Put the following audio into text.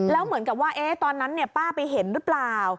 แล้วเหมือนกับว่าตอนนั้นป้าไปเห็นหรือเปล่า